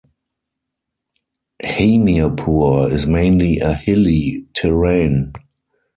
Hamirpur is mainly a hilly terrain.